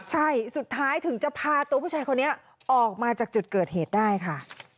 ใช่สุดท้ายถึงจะพาตัวผู้ชายคนนี้ออกมาจากจุดเกิดเหตุได้ค่ะ